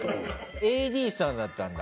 ＡＤさんだったんだ。